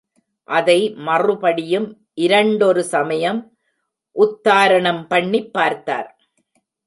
அதை மறுபடியும் இரண்டொரு சமயம் உத்தாரணம் பண்ணிப் பார்த்தார்.